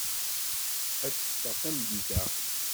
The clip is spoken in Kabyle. Ad teffeɣ tameddit-a.